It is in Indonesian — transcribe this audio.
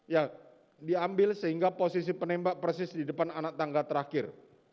ya diambil sehingga posisi penembak persis di depan anak tangga terakhir